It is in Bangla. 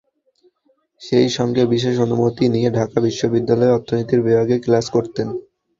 সেই সঙ্গে বিশেষ অনুমতি নিয়ে ঢাকা বিশ্ববিদ্যালয়ে অর্থনীতির বিভাগে ক্লাস করতেন।